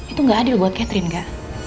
itu gak adil buat catherine kan